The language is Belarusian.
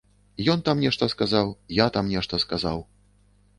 Ён там нешта сказаў, я там нешта сказаў.